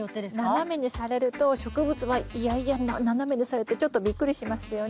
斜めにされると植物は嫌々斜めにされてちょっとびっくりしますよね。